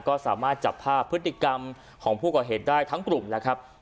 ก็สามารถจับภาพพฤติกรรมของผู้ก่อเหตุได้ทั้งกลุ่มแล้วครับ